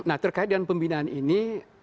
nah terkait dengan pembinaan ini